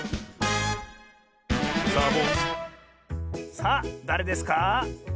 さあだれですか？